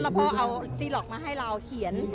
แล้วพ่อเอาจีหลอกมาให้เราเขียน